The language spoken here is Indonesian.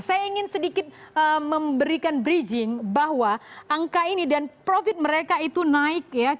saya ingin sedikit memberikan bridging bahwa angka ini dan profit mereka itu naik ya kita lihat mencapai sekitar lebih dari lima miliar dolar